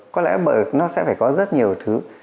có lẽ nó sẽ phải có rất nhiều thứ